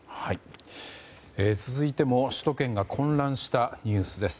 続いても首都圏が混乱したニュースです。